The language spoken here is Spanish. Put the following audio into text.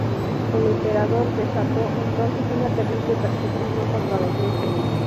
El emperador desató entonces una terrible persecución contra la Iglesia.